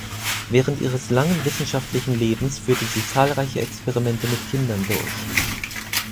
Während ihres langen wissenschaftlichen Lebens führte sie zahlreiche Experimente mit Kindern durch.